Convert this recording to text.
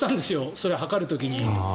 それを計る時に。